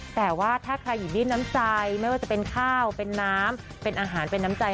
แต่ว่าถ้าใครหยิบยื่นน้ำใจไม่ว่าจะเป็นข้าวเป็นน้ำเป็นอาหารเป็นน้ำใจ